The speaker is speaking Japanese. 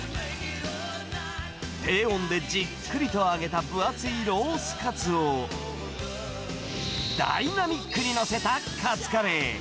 低温でじっくりと揚げた分厚いロースカツを、ダイナミックに載せたカツカレー。